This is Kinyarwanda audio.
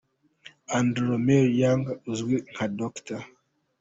Andre Romelle Young uzwi nka Dr.